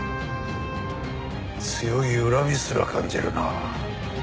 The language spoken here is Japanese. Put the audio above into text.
強い恨みすら感じるな。